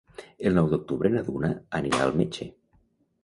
El nou d'octubre na Duna anirà al metge.